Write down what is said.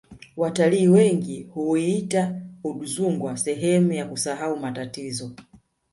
watalii wengi huiita udzungwa sehemu ya kusahau matatizo